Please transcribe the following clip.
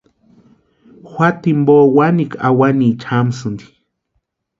Juata jimpo wanikwa awaniecha jamasïnti.